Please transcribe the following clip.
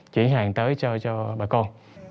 chuyển hành tới cho bà con